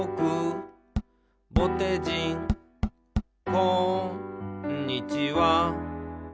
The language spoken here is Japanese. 「こんにちは」